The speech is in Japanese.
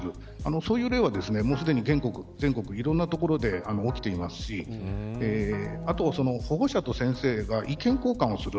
そういう例は全国いろんな所で起きていますしあと、保護者と先生が意見交換をする。